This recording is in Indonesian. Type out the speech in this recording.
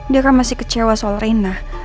dia kan masih kecewa soal reina